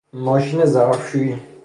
ماشین ظرفشویی